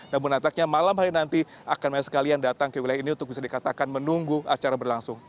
namun nataknya malam hari nanti akan banyak sekali yang datang ke wilayah ini untuk bisa dikatakan menunggu acara berlangsung